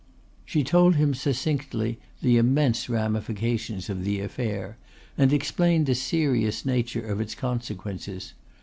She told him succinctly the immense ramifications of the affair, and explained the serious nature of its consequences.